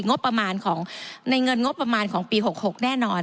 ในเงินงบประมาณของปี๖๖แน่นอน